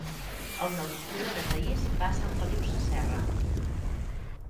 El nou d'octubre na Thaís va a Sant Feliu Sasserra.